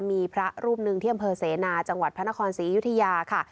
มีพระรูปหนึ่งที่อำเภอเสนาจังหวัดพระนครศรีอยุธยาค่ะ